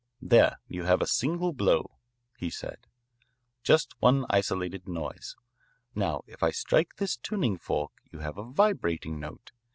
"There you have a single blow," he said, "just one isolated noise. Now if I strike this tuning fork you have a vibrating note.